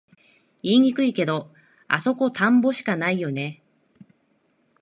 言いにくいけど、あそこ田んぼしかないよね